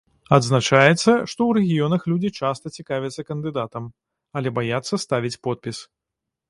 Адзначаецца, што ў рэгіёнах людзі часта цікавяцца кандыдатам, але баяцца ставіць подпіс.